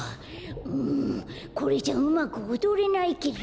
うんこれじゃうまくおどれないけど。